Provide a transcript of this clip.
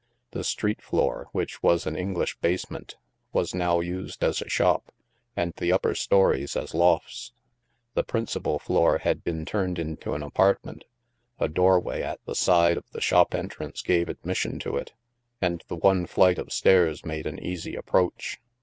The street floor, which was an Eng lish basement, was now used as a shop, and the upper stories as lofts. The principal floor had been turned into an apartment; a doorway at the side of the shop entrance gave admission to it, and the one flight of stairs made an easy approach.